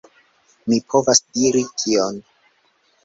Mi povas diri tion.